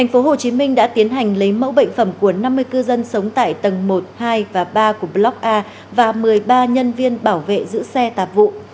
tp hcm đã tiến hành lấy mẫu bệnh phẩm của năm mươi cư dân sống tại tầng một hai và ba của block a và một mươi ba nhân viên bảo vệ giữ xe tạp vụ